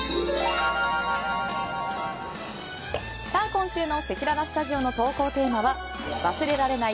今週のせきららスタジオの投稿テーマは忘れられない